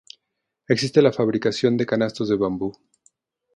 Existe la fabricación de canastos de bambú.